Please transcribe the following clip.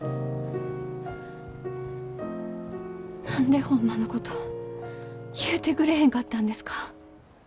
何でホンマのこと言うてくれへんかったんですか？